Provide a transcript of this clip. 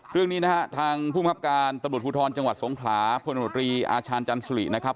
เรื่องนี้ทางภูมิคับการตำรวจภูทรจังหวัดสงขลาพลังบริอาชาญจันทรีย์